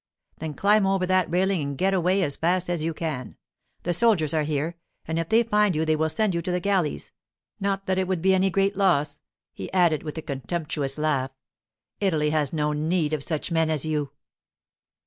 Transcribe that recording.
Then climb over that railing and get away as fast as you can. The soldiers are here, and if they find you they will send you to the galleys—not that it would be any great loss,' he added with a contemptuous laugh. 'Italy has no need of such men as you.